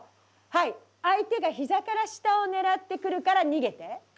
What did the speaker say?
はい相手が膝から下を狙ってくるから逃げて。